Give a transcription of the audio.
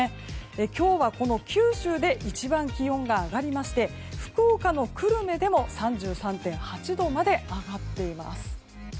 今日は九州で一番気温が上がりまして福岡の久留米でも３３．８度まで上がっています。